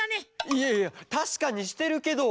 いやいやたしかにしてるけど。